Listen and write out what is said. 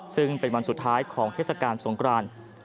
ซึ่งเป็นวันสุดท้ายของเทศกาลสงคราน